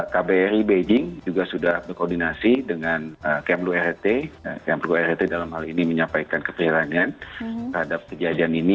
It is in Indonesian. kbri beijing juga sudah berkoordinasi dengan kmu rrt kmu rrt dalam hal ini menyampaikan keperlangan terhadap kejadian ini